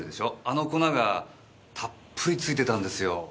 あの粉がたっぷり付いてたんですよ。